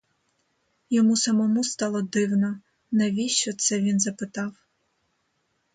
Йому самому стало дивно: навіщо це він запитав?